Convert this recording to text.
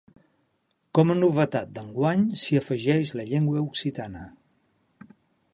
Com a novetat d'enguany s'hi afegeix la llengua occitana.